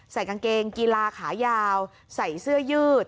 กางเกงกีฬาขายาวใส่เสื้อยืด